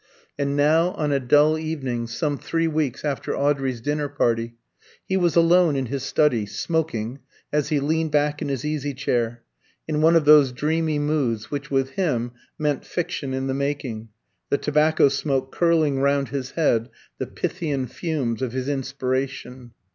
And now, on a dull evening, some three weeks after Audrey's dinner party, he was alone in his study, smoking, as he leaned back in his easy chair, in one of those dreamy moods which with him meant fiction in the making, the tobacco smoke curling round his head the Pythian fumes of his inspiration.